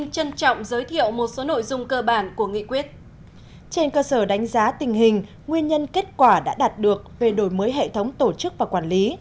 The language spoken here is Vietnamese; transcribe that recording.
trên cơ sở đánh giá tình hình nguyên nhân kết quả đã đạt được về đổi mới hệ thống tổ chức và quản lý